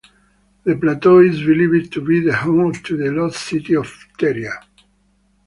The plateau is believed to be the home to the lost city of Pteria.